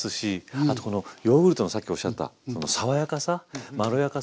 あとこのヨーグルトのさっきおっしゃったその爽やかさまろやかさ。